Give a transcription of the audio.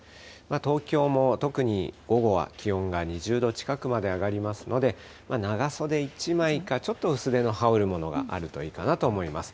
東京も特に午後は気温が２０度近くまで上がりますので、長袖１枚か、ちょっと薄手の羽織るものがあるといいかなと思います。